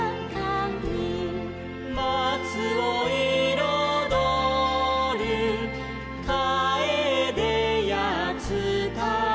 「まつをいろどるかえでやつたは」